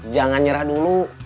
jangan nyerah dulu